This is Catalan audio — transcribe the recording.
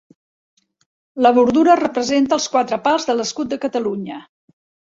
La bordura representa els quatre pals de l'escut de Catalunya.